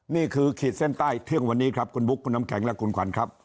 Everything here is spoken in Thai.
ขีดเส้นใต้เที่ยงวันนี้ครับคุณบุ๊คคุณน้ำแข็งและคุณขวัญครับ